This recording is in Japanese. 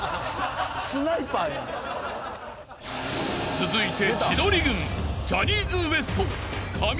［続いて］